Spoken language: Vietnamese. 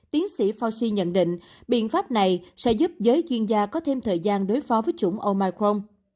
tiến sĩ fauci nhận định biện pháp này sẽ giúp giới chuyên gia có thêm thời gian đối phó với chủng omicron